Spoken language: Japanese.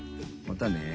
またね。